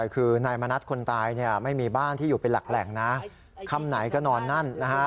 คือนายมณัฐคนตายไม่มีบ้านที่อยู่เป็นหลักแหล่งนะค่ำไหนก็นอนนั่นนะฮะ